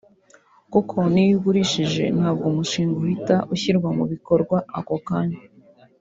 kuko niyo ugurishije ntabwo umushinga uhita ushyirwa mu bikorwa ako kanya